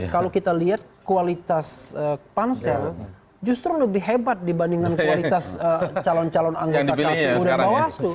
kalau kita lihat kualitas pansel justru lebih hebat dibandingkan kualitas calon calon anggota kpu dan bawaslu